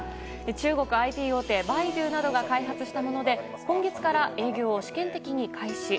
中国ＩＴ大手バイドゥなどが開発したもので今月から営業を試験的に開始。